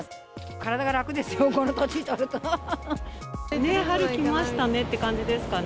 体が楽ですよ、春来ましたねって感じですかね。